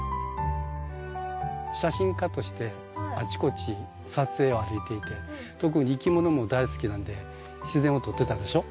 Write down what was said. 写真家としてあちこち撮影を歩いていて特にいきものも大好きなんで自然を撮ってたでしょ。